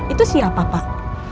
itu siapa pak